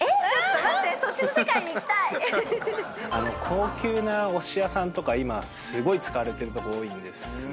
高級なおすし屋さんとか今すごい使われてるとこ多いんですよ。